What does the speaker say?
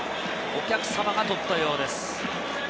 お客様が捕ったようです。